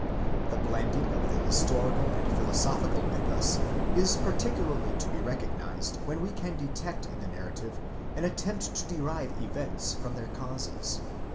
The blending of the historical and philosophical mythus is particularly to be recognised when we can detect in the narrative an attempt to derive events from their causes.